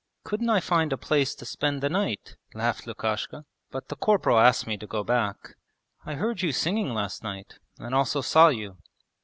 'Couldn't I find a place to spend the night?' laughed Lukashka. 'But the corporal asked me to go back.' 'I heard you singing last night, and also saw you.'